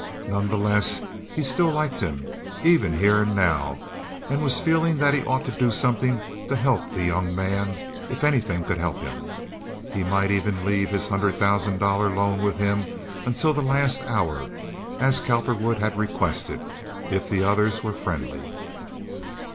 None the less he still liked him, even here and now, and was feeling that he ought to do something to help the young man, if anything could help him. He might even leave his hundred thousand dollar loan with him until the last hour, as Cowperwood had requested, if the others were friendly.